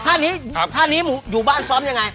ท่านี้อยู่บ้านซ้อมยังไง